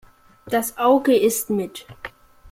Das Auge isst mit.